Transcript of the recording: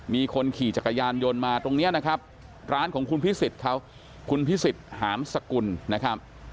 มีคนขี่จักรยานยนต์มาตรงนี้นะครับร้านของคุณพิสิทธิ์เขาคุณพิสิทธิ์หามสกุลนะครับ